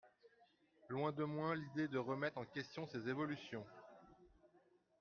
Loin de moi l’idée de remettre en question ces évolutions.